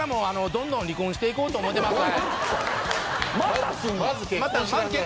どんどん離婚していこうかなと思ってます。